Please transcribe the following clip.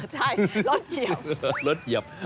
ใช่รถเหยียบ